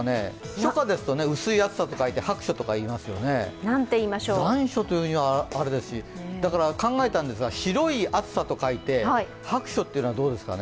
初夏ですと、薄暑とかいいますよね残暑というにはあれですし、考えたんですけど白い暑さと書いて、白暑というのはどうですかね。